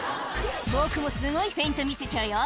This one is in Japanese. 「僕もすごいフェイント見せちゃうよ」